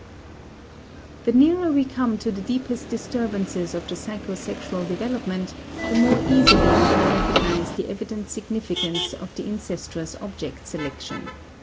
The nearer we come to the deeper disturbances of the psychosexual development the more easily we can recognize the evident significance of the incestuous object selection.